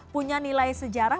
punya nilai sejarah